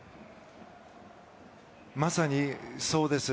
まさにそうです。